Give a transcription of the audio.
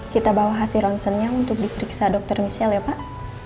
kita bawa hasil ronsennya untuk diperiksa dokter michelle ya pak